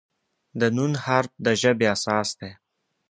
د "ن" حرف د ژبې اساس دی.